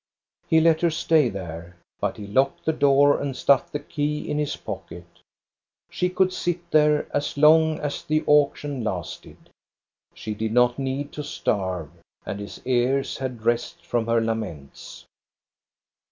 He let her stay there, but he locked the door and stuffed the key in his pocket. She could sit there as long as the auction lasted. She did not need to starve, and his ears had rest from her laments.